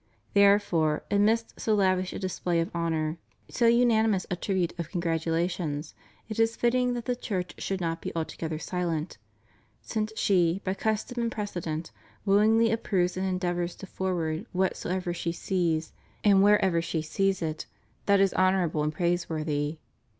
There fore, amidst so lavish a display of honor, so unanimoua 264 THE COLUMBUS TERCENTENARY. 265 a tribute of congratulations, it is fitting that the Church should not be altogether silent; since she, by custom and precedent, willingly approves and endeavors to forward whatsoever she sees, and wherever she sees it, that is honor able and praiseworthy.